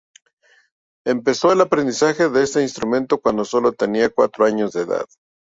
Empezó el aprendizaje de este instrumento cuando sólo tenía cuatro años de edad.